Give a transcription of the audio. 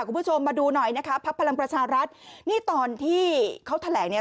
คุณผู้ชมมาดูหน่อยนะคะพักพลังประชารัฐนี่ตอนที่เขาแถลงเนี่ย